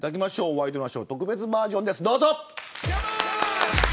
ワイドナショー特別バージョンです、どうぞ。